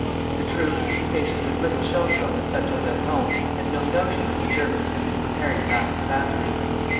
The troops, stationed with little shelter on the Plateau d'Avron, had no notion that the Germans had been preparing masked batteries.